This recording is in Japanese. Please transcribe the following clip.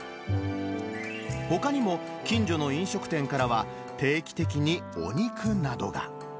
ほかにも、近所の飲食店からは定期的にお肉などが。